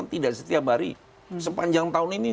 tidak setiap hari sepanjang tahun ini